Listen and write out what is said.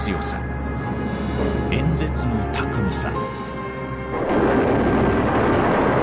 演説の巧みさ。